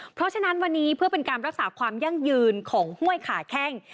เพราะฉะนั้นวันนี้เพื่อเป็นการรักษาความยั่งยืนของห้วยขาแข้ง